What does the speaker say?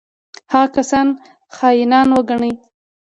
هغه کسان خاینان وګڼي.